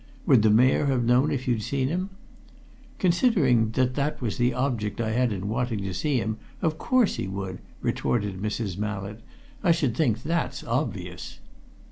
"Would the Mayor have known if you'd seen him?" "Considering that that was the object I had in wanting to see him, of course he would!" retorted Mrs. Mallett. "I should think that's obvious."